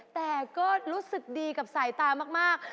แต่ก็รู้สึกดีกับสายตามาก